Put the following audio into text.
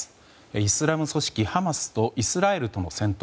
イスラム組織ハマスとイスラエルとの戦闘。